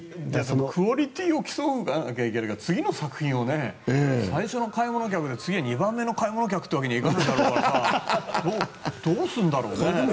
クオリティーを競わなきゃいけないから次の作品を「最初の買い物客」で次は「２番目の買い物客」ってわけにはいかないだろうからどうするんだろうね。